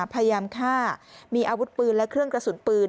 พยายามฆ่ามีอาวุธปืนและเครื่องกระสุนปืน